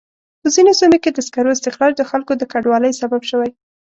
په ځینو سیمو کې د سکرو استخراج د خلکو د کډوالۍ سبب شوی.